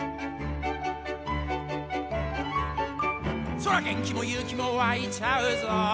「そら元気も勇気もわいちゃうぞ」